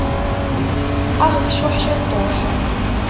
Ad aɣ-tcuḥ ciṭuḥ.